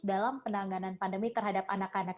dalam penanganan pandemi terhadap anak anak